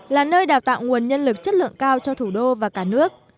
là nơi đào tạo nguồn nhân lực chất lượng cao cho thủ đô và cả nước